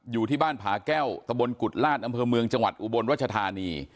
อยู่ที่บ้านผาแก้วตะบนกุฎลาศอำเภอเมืองจังหวัดอุบลรัชธานี